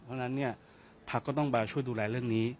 เพราะฉะนั้นเนี่ยพักก็ต้องมาช่วยดูแลเรื่องนี้